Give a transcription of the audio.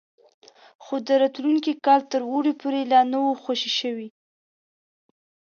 خو د راتلونکي کال تر اوړي پورې لا نه وو خوشي شوي.